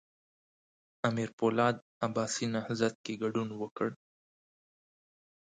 امیر پولاد عباسي نهضت کې ګډون وکړ.